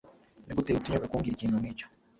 Nigute utinyuka kumbwira ikintu nkicyo